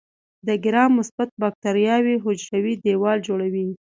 د ګرام مثبت باکتریاوو حجروي دیوال جوړوي.